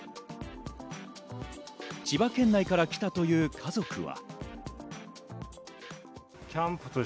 千葉県内から来たという家族は。